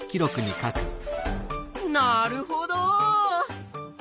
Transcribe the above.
なるほど。